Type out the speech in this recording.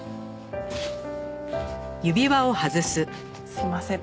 すいません。